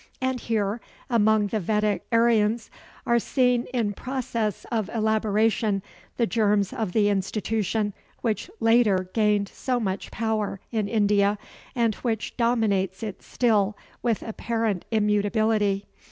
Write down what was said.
And here among the Vedic Aryans are seen in process of elaboration the germs of the institution which later gained so much power in India and which dominates it still with apparent immutability.